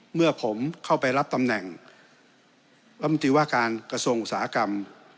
เมื่อผมเข้าไปรับตำแหน่งรัฐมนตรีว่าการกระทรวงอุตสาหกรรม